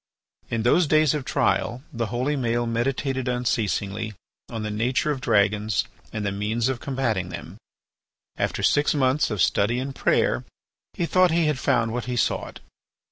In those days of trial, the holy Maël meditated unceasingly on the nature of dragons and the means of combating them. After six months of study and prayer he thought he had found what he sought.